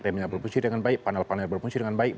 remnya beroperasi dengan baik panel panel beroperasi dengan baik